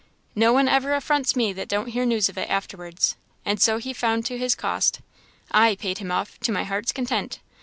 "No one ever affronts me that don't hear news of it afterwards, and so he found to his cost. I paid him off, to my heart's content.